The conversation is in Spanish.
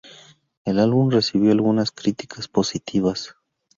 El álbum recibió algunas críticas positivas.